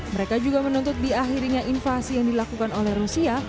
mereka juga menuntut di akhirnya invasi yang dilakukan oleh rusia